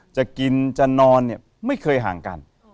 จะกินจะนอนไม่เคยห่างกัน